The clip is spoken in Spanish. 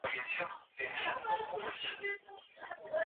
Posteriormente fue el pueblo de Huancayo que fue tomando importancia.